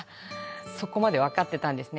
そこまで分かってたんですね。